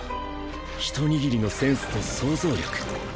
ひと握りのセンスと想像力